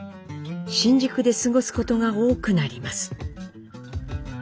新宿で過ごすことが多くなります。